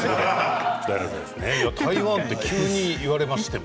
台湾と急に言われましても。